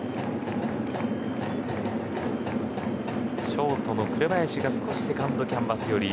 ショートの紅林が少しセカンドキャンバス寄り。